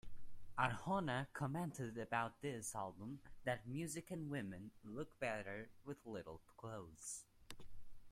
Arjona commented about this album that "music and women look better with little clothes.